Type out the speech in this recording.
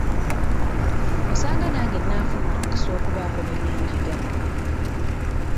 Osanga nange nnaafuna omukisa okubaako ne bye njiga.